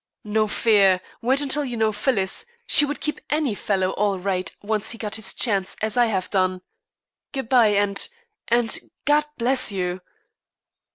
"No fear! Wait until you know Phyllis. She would keep any fellow all right once he got his chance, as I have done. Good bye, and and God bless you!"